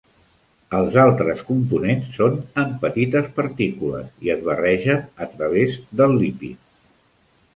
Els altres components són en petites partícules i es barregen a través del lípid.